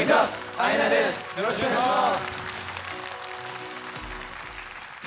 ＩＮＩです、よろしくお願いします。